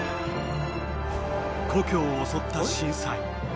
故郷を襲った震災。